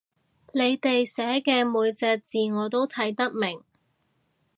你哋寫嘅每隻字我都睇得明